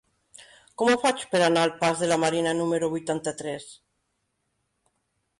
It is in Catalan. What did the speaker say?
Com ho faig per anar al pas de la Marina número vuitanta-tres?